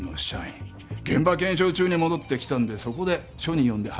現場検証中に戻ってきたんでそこで署に呼んで話を聞いた。